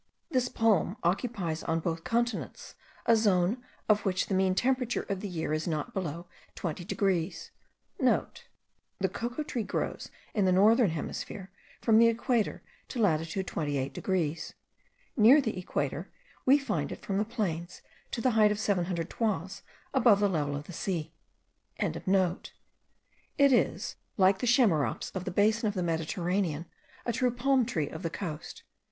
This palm occupies on both continents a zone, of which the mean temperature of the year is not below 20 degrees.* (* The cocoa tree grows in the northern hemisphere from the equator to latitude 28 degrees. Near the equator we find it from the plains to the height of 700 toises above the level of the sea.) It is, like the chamaerops of the basin of the Mediterranean, a true palm tree of the coast.